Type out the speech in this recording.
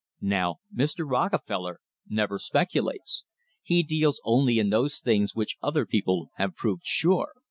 Now, Mr. Rockefeller never speculates. He deals only in those things which other people have proved sure!